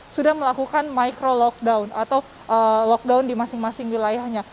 sudah melakukan micro lockdown atau lockdown di masing masing wilayahnya